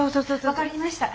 分かりました。